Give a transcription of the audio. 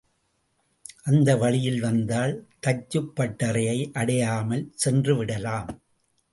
அந்த வழியில் வந்தால் தச்சுப்பட்டறையை அடையாமல் சென்றுவிடலாம்.